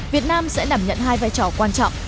việt nam sẽ đảm nhận hai vai trò quan trọng